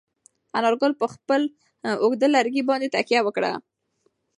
انارګل په خپل اوږد لرګي باندې تکیه وکړه.